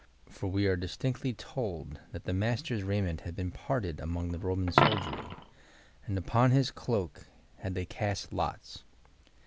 — for we are distinctly told that the Master's raiment had been parted among the Roman soldiery "and upon his cloak had they cast lots."